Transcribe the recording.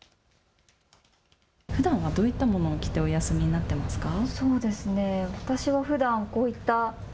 ふだんはどういったものを着てお休みになっていますか。